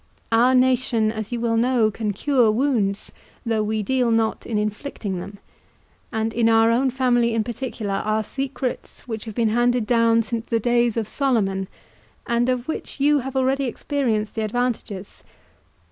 Our nation, as you well know, can cure wounds, though we deal not in inflicting them; and in our own family, in particular, are secrets which have been handed down since the days of Solomon, and of which you have already experienced the advantages.